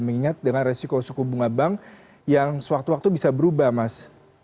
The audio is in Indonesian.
mengingat dengan resiko suku bunga bank yang sewaktu waktu bisa berubah mas